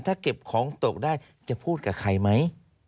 ถ้าเก็บของตกได้จะพูดกับใครไหม